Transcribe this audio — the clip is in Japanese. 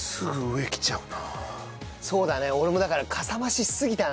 そうだね俺もだから。